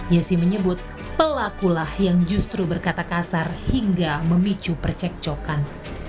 yesi menyebut pelakulah yang justru berkata kasar hingga memicu percekcokan